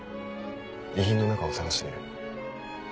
遺品の中を探してみる。